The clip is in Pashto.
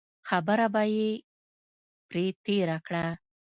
خبره به یې پرې تېره کړه.